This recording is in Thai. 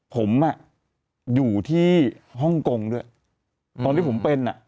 ผมอ่ะอยู่ที่ฮ่องกงด้วยตอนที่ผมเป็นอ่ะ